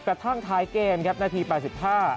กระทั่งท้ายเกมครับนาที๘๕